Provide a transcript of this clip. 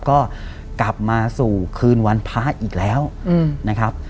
ก็กลับมาสู่คืนวันพระอีกแล้วนะครับ